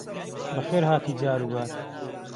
بهخێر هاتی جار و بار